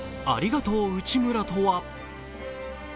ありがとう内村とは？